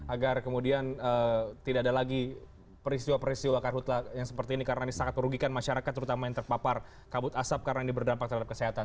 agar kemudian tidak ada lagi peristiwa peristiwa karhutlah yang seperti ini karena ini sangat merugikan masyarakat terutama yang terpapar kabut asap karena ini berdampak terhadap kesehatan